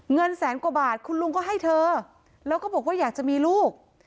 เงินแสนกว่าบาทคุณลุงก็ให้เธอแล้วก็บอกว่าอยากจะมีลูก